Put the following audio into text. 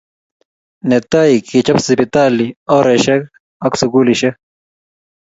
Netai, kechob sipitali, oresiek ak sukulisiek